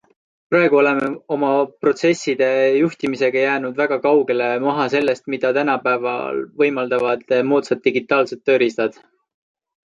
Praegu oleme oma protsesside juhtimisega jäänud väga kaugele maha sellest, mida tänapäeval võimaldavad moodsad digitaalsed tööriistad.